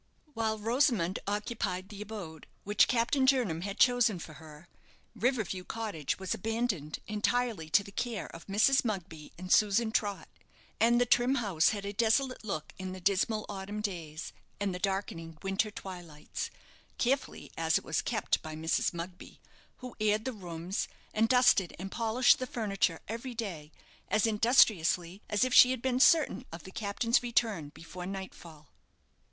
While Rosamond occupied the abode which Captain Jernam had chosen for her, River View Cottage was abandoned entirely to the care of Mrs. Mugby and Susan Trott, and the trim house had a desolate look in the dismal autumn days, and the darkening winter twilights, carefully as it was kept by Mrs. Mugby, who aired the rooms, and dusted and polished the furniture every day, as industriously as if she had been certain of the captain's return before night fall.